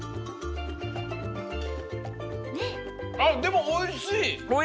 あっでもおいしい！